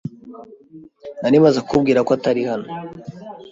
Nari maze kukubwira ko atari hano.